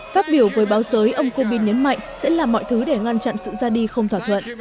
phát biểu với báo giới ông corbyn nhấn mạnh sẽ làm mọi thứ để ngăn chặn sự ra đi không thỏa thuận